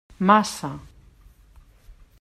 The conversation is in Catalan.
Massa.